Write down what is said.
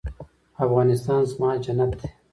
افغانستان زما جنت دی؟